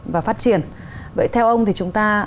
và phát triển vậy theo ông thì chúng ta